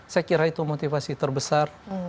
saya kira itu motivasi terbesar